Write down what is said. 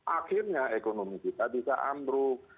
akhirnya ekonomi kita bisa ambruk